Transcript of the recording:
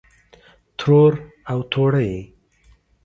ترور او توړۍ